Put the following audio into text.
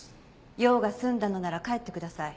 用が済んだのなら帰ってください。